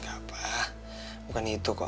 gak pak bukan itu kok